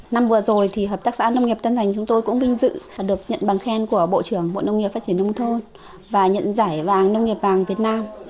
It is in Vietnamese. năm vừa rồi thì hợp tác xã nông nghiệp tân thành chúng tôi cũng vinh dự được nhận bằng khen của bộ trưởng bộ nông nghiệp phát triển nông thôn và nhận giải vàng nông nghiệp vàng việt nam